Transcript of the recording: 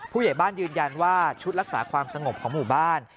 ผู้ใหญ่บ้านยืนยันว่าชุดรักษาความสงบของหมู่บ้าน